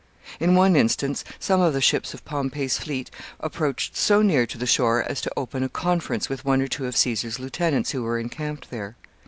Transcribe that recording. In one instance, some of the ships of Pompey's fleet approached so near to the shore as to open a conference with one or two of Caesar's lieutenants who were encamped there.